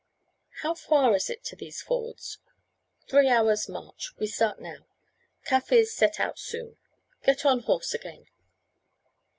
"How far is it to these fords?" "Three hours' march. We start now. Kaffirs set out soon. Get on horse again."